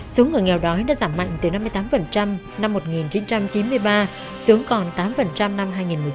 số người nghèo đói đã giảm mạnh từ năm mươi tám năm một nghìn chín trăm chín mươi ba xuống còn tám năm hai nghìn một mươi sáu